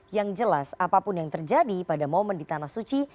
yang jelas apapun yang terjadi pada momen di tanah suci